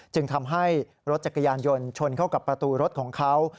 จึงทำให้รถจักรยานยนต์ชนเข้ากับประตูรถของเขา